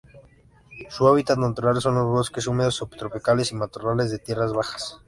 Su hábitat natural son los bosques húmedos subtropicales y matorrales de tierras bajas.